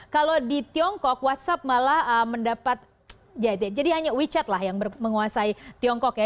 kalau di tiongkok whatsapp malah mendapat jadi hanya wechat lah yang menguasai tiongkok ya